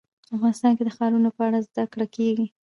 افغانستان کې د ښارونو په اړه زده کړه کېږي.